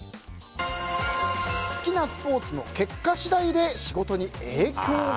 好きなスポーツの結果次第で仕事に影響が。